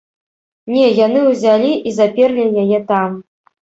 Не, яны ўзялі і заперлі яе там.